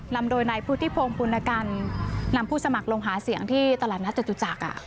นำโดยนายผู้ที่พงภูมิกันนำผู้สมัครลงหาเสียงที่ตลาดนัดเจ็ดจุจักรอ่ะ